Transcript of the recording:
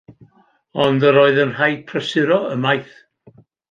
Ond yr oedd yn rhaid prysuro ymaith.